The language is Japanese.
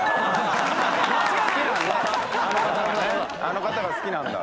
あの方がね。